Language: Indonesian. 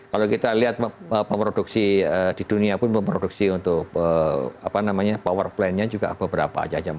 kalau kita lihat pemproduksi di dunia pun memproduksi untuk power plantnya juga beberapa aja